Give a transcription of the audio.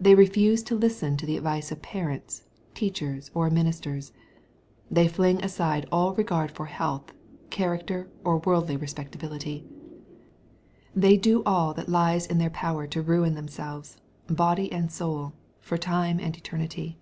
They refuse to listen to the advice of parents, teachers, or ministers. They fling aside all regard for health, character, or worldly respectability. They do all that lies in their power to ruin themselves, body and soul, for time and eternity.